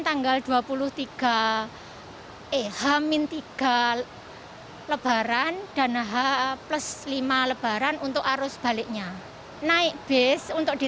tanggal dua puluh tiga eh h tiga lebaran dan h plus lima lebaran untuk arus baliknya naik bis untuk di